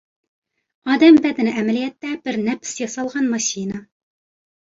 ئادەم بەدىنى ئەمەلىيەتتە بىر نەپىس ياسالغان ماشىنا.